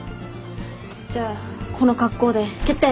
じゃあこの格好で決定！